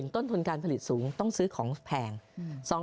ต้นทุนการผลิตสูงต้องซื้อของแพง